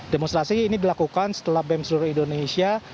demonstrasi ini dilakukan setelah bem seluruh indonesia